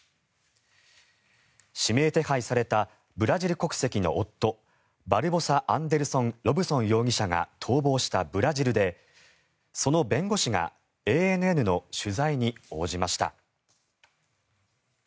指名手配されたブラジル国籍の夫バルボサ・アンデルソン・ロブソン容疑者が逃亡したブラジルでその弁護士がＡＮＮの取材に応じました。